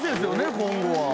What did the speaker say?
今後は。